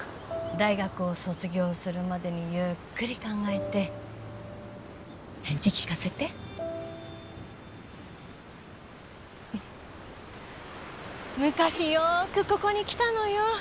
大学を卒業するまでにゆっくり考えて返事聞かせて昔よくここに来たのよ